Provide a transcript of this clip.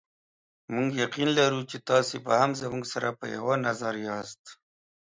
موږ یقین لرو چې تاسې به هم زموږ سره په یوه نظر یاست.